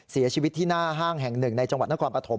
เสียชีวิตที่หน้าห้างแห่งหนึ่งในจังหวัดนครปฐม